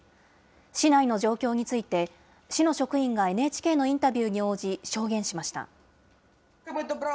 市内の状況について、市の職員がＮＨＫのインタビューに応じ、証言しました。